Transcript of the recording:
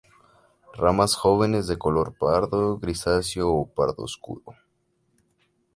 Ramas jóvenes de color pardo grisáceo o pardo oscuro.